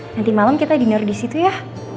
nanti malem kita dinner disitu ya